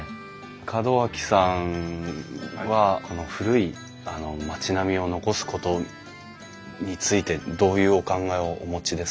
門脇さんはこの古い町並みを残すことについてどういうお考えをお持ちですか？